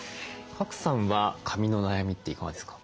賀来さんは髪の悩みっていかがですか？